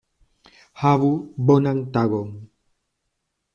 Havu bonan tagon!